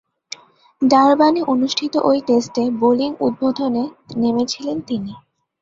ডারবানে অনুষ্ঠিত ঐ টেস্টে বোলিং উদ্বোধনে নেমেছিলেন তিনি।